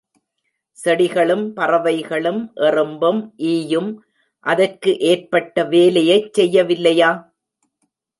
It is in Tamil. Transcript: செடிகளும், பறவைகளும், எறும்பும், ஈயும் அதற்கு ஏற்பட்ட வேலையைச் செய்யவில்லையா?